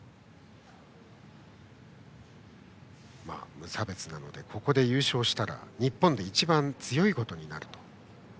無差別なので、ここで優勝したら日本で一番強いことになると。